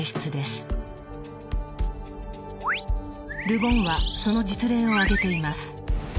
ル・ボンはその実例を挙げています。